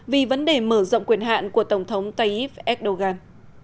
vì vấn đề mở rộng quyền hạn của tổng thống tayyip erdogan